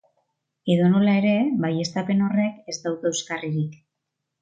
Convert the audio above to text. Edonola ere, baieztapen horrek ez dauka euskarririk.